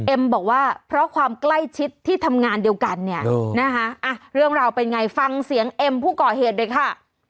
บอกว่าเพราะความใกล้ชิดที่ทำงานเดียวกันเนี่ยนะคะเรื่องราวเป็นไงฟังเสียงเอ็มผู้ก่อเหตุหน่อยค่ะ